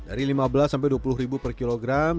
dari lima belas sampai dua puluh per kilogram